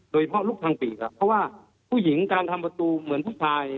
เพาะลุกทางปีกครับเพราะว่าผู้หญิงการทำประตูเหมือนผู้ชาย